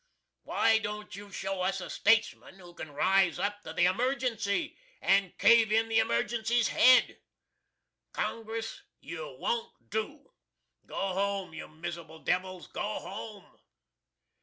Why don't you show us a statesman who can rise up to the Emergency, and cave in the Emergency's head? Congress, you won't do. Go home, you mizzerable devils go home!